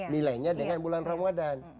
nilainya dengan bulan ramadan